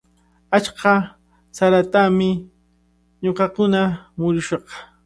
Achka saratami ñuqakuna murushaq.